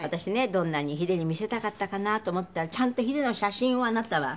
どんなにヒデに見せたかったかなと思ったらちゃんとヒデの写真をあなたは。